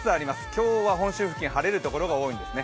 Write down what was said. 今日は本州付近、晴れるところが多いんですね。